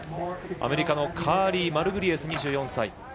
アメリカのカーリー・マルグリエス、２４歳。